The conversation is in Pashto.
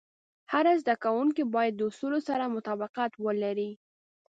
هر زده کوونکی باید د اصولو سره مطابقت ولري.